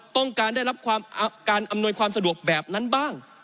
ต้องการได้รับการอำนวยความสะดวกแบบนั้นบ้าง